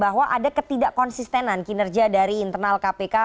bahwa ada ketidak konsistenan kinerja dari internal kpk